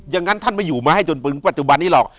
อย่างนั้นท่านไม่อยู่มาให้จนถึงปัจจุบันนี้หรอก